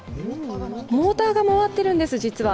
モーターが回っているんです。